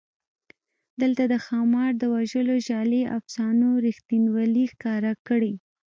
دلته د ښامار د وژلو جعلي افسانو رښتینوالی ښکاره کړی.